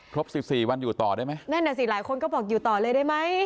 สิบสี่วันอยู่ต่อได้ไหมนั่นน่ะสิหลายคนก็บอกอยู่ต่อเลยได้ไหม